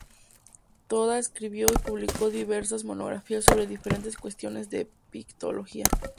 Toda escribió y publicó diversas monografías sobre diferentes cuestiones de egiptología.